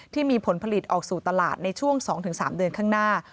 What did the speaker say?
ที่มีผลผลิตออกสู่ตลาดในช่วง๒๓เดือนข้างหน้า